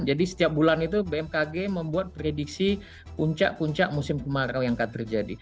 jadi setiap bulan itu bmkg membuat prediksi puncak puncak musim kemarau yang akan terjadi